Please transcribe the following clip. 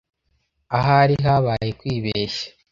Ahari habaye kwibeshya.